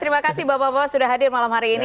terima kasih bapak bapak sudah hadir malam hari ini